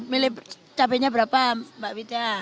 milih cabenya berapa mbak wita